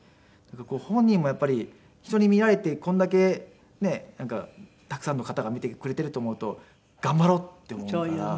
本人もやっぱり人に見られてこれだけねなんかたくさんの方が見てくれていると思うと頑張ろうって思うから。